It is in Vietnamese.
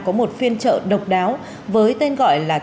có một phiên trợ độc đáo với tên gọi là